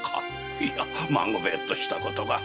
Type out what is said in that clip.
いや孫兵衛としたことが。